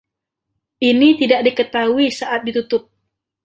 Ini tidak ketahui saat ditutup.